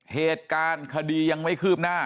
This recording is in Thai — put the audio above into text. เหตุการณ์คดียังไม่คืบหน้า